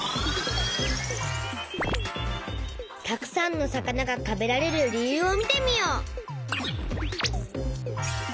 たくさんの魚が食べられる理由を見てみよう！